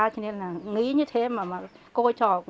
cho nên là nghĩ như thế mà cô trò